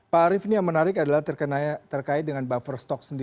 pak arief ini yang menarik adalah terkait dengan bapak